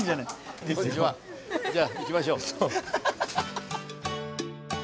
じゃあ行きましょう。